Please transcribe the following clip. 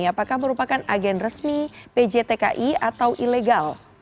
apakah merupakan agen resmi pj tki atau ilegal